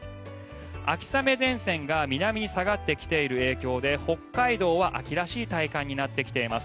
秋雨前線が南に下がってきている影響で北海道は秋らしい体感になってきています。